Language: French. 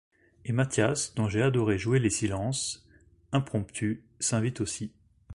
Et Mathias, dont j’ai adoré jouer les silences… …… impromptus, s’invite aussi.